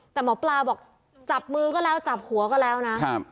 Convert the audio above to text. แต่หมอปลาบอกจับมือก็แล้วจับหัวก็แล้วนะครับ